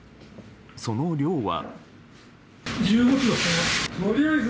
その量は。